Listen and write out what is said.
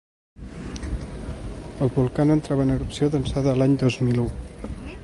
El volcà no entrava en erupció d’ençà de l’any dos mil u.